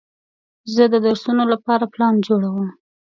زه د درسونو لپاره پلان جوړوم.